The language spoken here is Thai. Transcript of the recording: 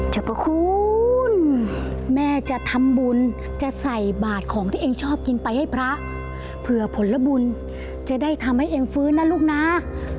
พระคุณแม่จะทำบุญจะใส่บาทของที่เองชอบกินไปให้พระเผื่อผลบุญจะได้ทำให้เองฟื้นนะลูกนะ